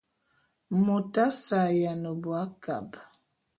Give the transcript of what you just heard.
Mot asse a’ayiana bo akab.